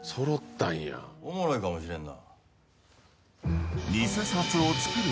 おもろいかもしれんな。